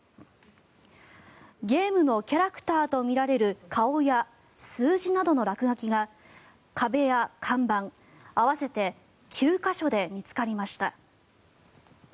ゲームのキャラクターとみられる顔や数字などの落書きが壁や看板合わせて９か所で見つかりました。